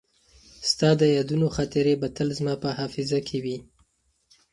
ستا د یادونو خاطرې به تل زما په حافظه کې وي.